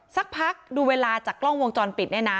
สักพักดูเวลาจากกล้องวงจรปิดเนี่ยนะ